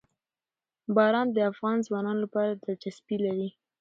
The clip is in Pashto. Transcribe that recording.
باران د افغان ځوانانو لپاره دلچسپي لري.